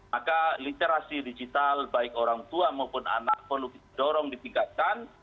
maka literasi digital baik orang tua maupun anak perlu kita dorong ditingkatkan